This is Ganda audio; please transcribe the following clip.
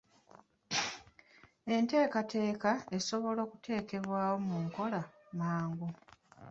Enteekateeka esobola okuteekebwa mu nkola mangu.